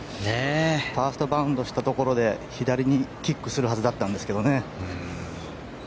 ファーストバウンドしたところで左にキックするはずだったんですけどね。